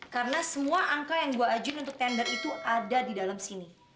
karena semua angka yang gue ajun untuk tender itu ada di dalam sini